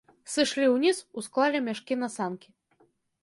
Сышлі ўніз, усклалі мяшкі на санкі.